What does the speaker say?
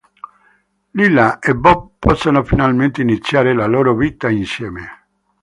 Lyla e Bob possono finalmente iniziare la loro vita insieme.